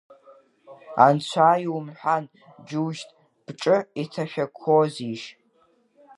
Анцәа иумҳәан, џьушьҭ, бҿы иҭашәақәозишь!